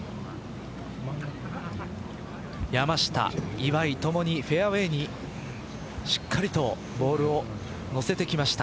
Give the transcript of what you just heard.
山下、岩井、共にフェアウエーにしっかりとボールをのせてきました。